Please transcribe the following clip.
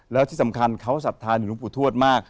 แล้วที่สำคัญเขาสัตว์ทานอยู่ลุงปุทธวดมาก